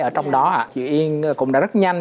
ở trong đó ạ chị yên cũng đã rất nhanh